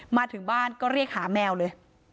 มาถึงบ้านก็เรียกหาแมวเลย